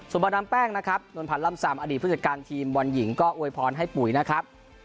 บรรดามแป้งนะครับนวลพันธ์ล่ำซำอดีตผู้จัดการทีมบอลหญิงก็อวยพรให้ปุ๋ยนะครับ